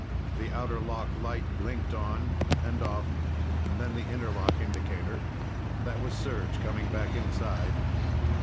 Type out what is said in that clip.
The outer lock light blinked on and off, then the inner lock indicator. That was Serj coming back inside.